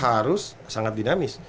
harus sangat dinamis